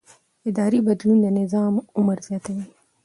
اداري بدلون د نظام عمر زیاتوي